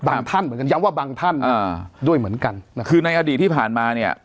ท่านเหมือนกันย้ำว่าบางท่านอ่าด้วยเหมือนกันคือในอดีตที่ผ่านมาเนี่ย